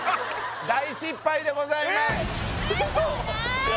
大失敗でございますえっウソ！？